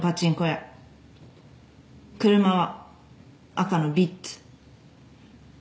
車は赤のヴィッツ。